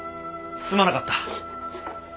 すまなかった。